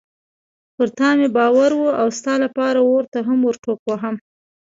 پر تا مې باور و او ستا لپاره اور ته هم ورټوپ وهم.